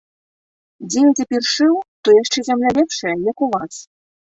Дзе я цяпер шыў, то яшчэ зямля лепшая, як у вас.